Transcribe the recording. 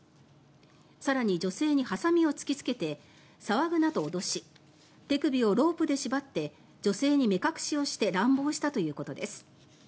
更に、女性にハサミを突きつけて騒ぐなと脅し手首をロープで縛って女性に目隠しをして乱暴したということです。